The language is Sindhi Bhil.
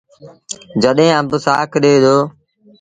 جڏهيݩ آݩب سآک ڏي دو۔